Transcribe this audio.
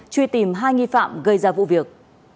truy tìm hai nghi phạm gây ra vụ việc